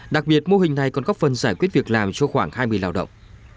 đặc biệt mô hình này còn góp phần giải quyết việc làm cho khoảng hai mươi lao động